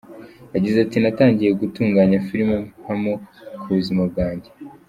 Yagize ati “Natangiye gutunganya filime mpamo ku buzima bwanjye.